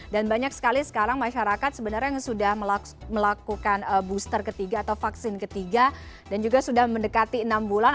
dan banyak sekali sekarang masyarakat sebenarnya sudah melakukan booster ketiga atau vaksin ketiga dan juga sudah mendekati enam bulan